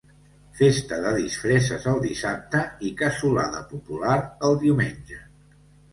Festa de disfresses el dissabte i cassolada popular el diumenge.